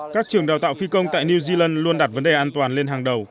các trường đào tạo phi công tại new zealand luôn đặt vấn đề an toàn lên hàng đầu